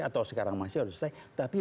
atau sekarang masih tapi